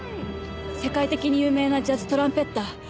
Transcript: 世界的に有名なジャズトランペッター。